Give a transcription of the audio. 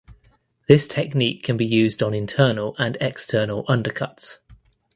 This technique can be used on internal and external undercuts.